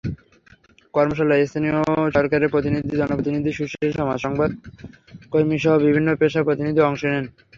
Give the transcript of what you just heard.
কর্মশালায় স্থানীয় সরকারের প্রতিনিধি, জনপ্রতিনিধি, সুশীলসমাজ, সংবাদকর্মীসহ বিভিন্ন পেশার প্রতিনিধি অংশ নেন।